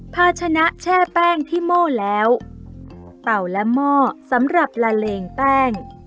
ภาชนะแช่แป้งที่โม่แล้วเต่าและหม้อสำหรับละเลงแป้ง